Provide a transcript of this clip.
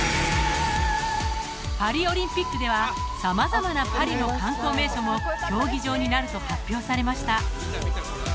パリオリンピックでは様々なパリの観光名所も競技場になると発表されました